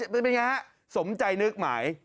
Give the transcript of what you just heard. เป็นอย่างไรสมใจนึกหมาย